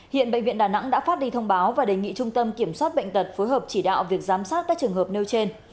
hiện bệnh viện đà nẵng đã phát đi thông báo và đề nghị trung tâm kiểm soát bệnh tật phối hợp chỉ đạo việc giám sát các trường hợp nêu trên